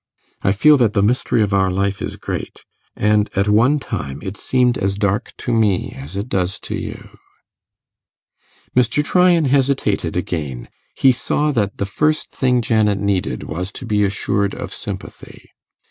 I feel that the mystery of our life is great, and at one time it seemed as dark to me as it does to you.' Mr. Tryan hesitated again. He saw that the first thing Janet needed was to be assured of sympathy.